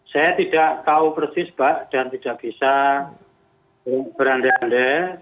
saya tidak tahu persis pak dan tidak bisa berandai andai